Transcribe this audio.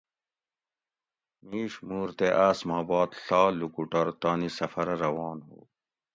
میش مور تے آس ما باد ڷا لوکوٹور تانی سفرہ روان ھُو